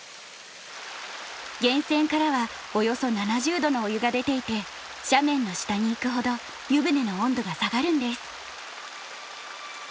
源泉からはおよそ７０度のお湯が出ていて斜面の下に行くほど湯船の温度が下がるんです。